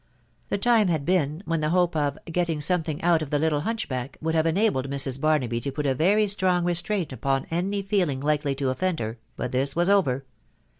The time had been, when the hope of " getting something out of the little hunch back" would have enabled Mrs. Barnaby to put a very strong restraint upon any feeling likely to offend her, but this was over.